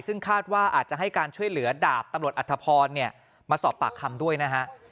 ซึ่งคาดว่าอาจจะให้การช่วยเหลือดาบตำรวจอัธพรมาสอบปากคำด้วยนะฮะ